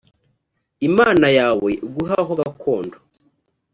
imana yawe iguha ho gakondo.